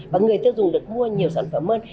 và người tiêu dùng được mua nhiều sản phẩm hơn